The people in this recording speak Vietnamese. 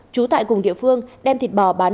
chú tại cùng địa phương đem thịt bò bắn